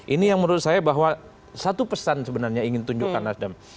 ini yang menurut saya bahwa satu pesan sebenarnya ingin tunjukkan nasdem